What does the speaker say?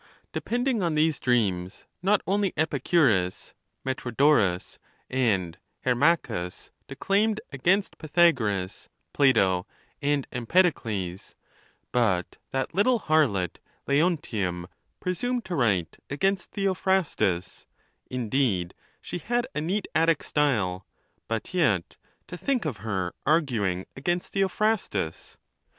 Depending on these dreams, not only Epicurus, Metro dorus, and Hermachus declaimed against Pythagoras, Pla to, and Erapedocles, but that little harlot Leontium pre sumed to write against Theophrastus : indeed, she had a neat Attic style ; but yet, to think of her arguing against Theophrastus